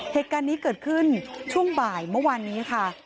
เหตุการณ์นี้เกิดขึ้นช่วงบ่ายเมื่อวานนี้ค่ะ